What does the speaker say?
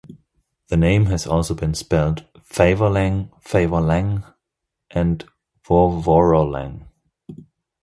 The name has also been spelled "Favorlang", "Favorlangh", and "Vovorollang".